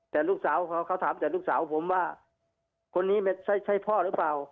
แต่ลูกสาวเขาถามแต่ลูกสาวผมว่าคนนี้ไม่ใช่พ่อหรือเปล่า